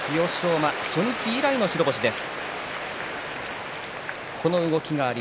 馬初日以来の白星です。